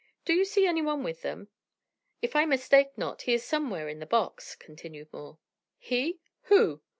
Do you see any one with them? If I mistake not, he is somewhere in the box," continued Moore. "He!" "Who?"